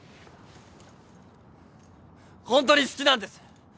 ホントに好きなんです。